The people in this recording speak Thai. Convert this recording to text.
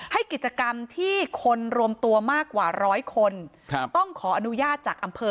ให้กิจกรรมที่คนรวมตัวมากกว่าร้อยคนครับต้องขออนุญาตจากอำเภอ